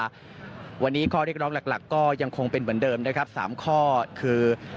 วันนี้ข้อเรียกร้องหลักก็ยังคงเป็นเหมือนเดิมนะครับ๓ข้อคือ